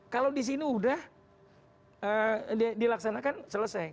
kalau di sini sudah dilaksanakan selesai